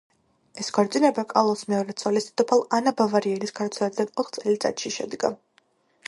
ეს ქორწინება კარლის მეორე ცოლის, დედოფალ ანა ბავარიელის გარდაცვალებიდან ოთხ წელიწადში შედგა.